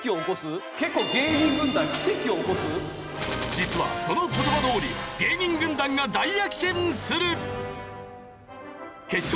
実はその言葉どおり芸人軍団が大躍進する！